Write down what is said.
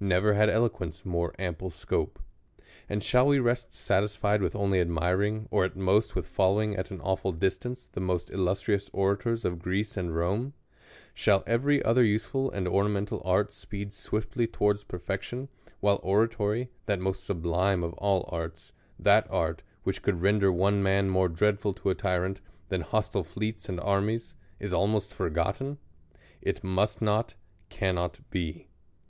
Never had eloquence more ample scope. And shall we rest satisfied with only admiring, or *at most with following at an awful distance, the most illustrious orators of Greece and Rome ? Shall every •ther useful and ornamental art speed swifdy towards perfection, while oratory, that most sublime of all arts ; that art, which could render one man more dreadful to a tyrant, than hostile fleets and armies, is almost forgotten? It must not, cannot be.